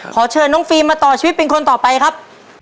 ขอเชิญน้องฟิล์มมาต่อชีวิตเป็นคนต่อไปครับ